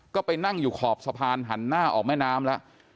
ก็ไปนั่งอยู่ขอบสะพานหันหน้าออกแม่น้ำแล้ว